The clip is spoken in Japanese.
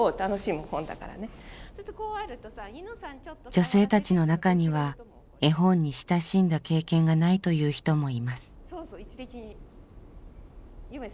女性たちの中には絵本に親しんだ経験がないという人もいます。